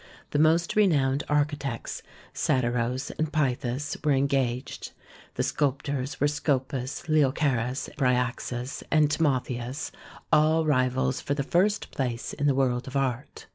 The most renowned architects, Satyros and Pythis, were engaged. The sculptors were Scopas, Leochares, Bryaxis, and Timotheus, all rivals for the first place in the world of art.